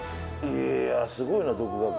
いやすごいな独学。